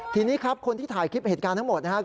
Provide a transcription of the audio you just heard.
ทีนี้ครับคนที่ถ่ายคลิปเหตุการณ์ทั้งหมดนะครับ